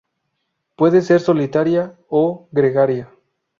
Puede ser solitaria o gregaria.